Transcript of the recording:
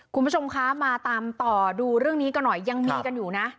คุณผู้ชมคะมาตามต่อดูเรื่องนี้กันหน่อยยังมีกันอยู่นะ